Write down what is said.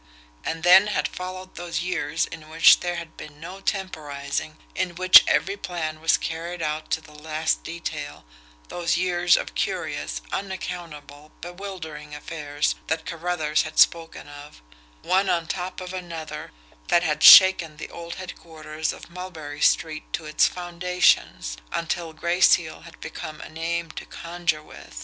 And then had followed those years in which there had been NO temporising, in which every plan was carried out to the last detail, those years of curious, unaccountable, bewildering affairs that Carruthers had spoken of, one on top of another, that had shaken the old headquarters on Mulberry Street to its foundations, until the Gray Seal had become a name to conjure with.